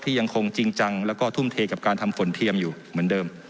ยังคงจริงจังแล้วก็ทุ่มเทกับการทำฝนเทียมอยู่เหมือนเดิม